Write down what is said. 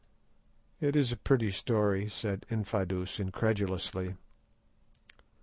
"It is a pretty story," said Infadoos incredulously.